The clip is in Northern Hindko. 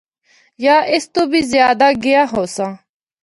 یا اس تو بھی زیادہ گیا ہوساں۔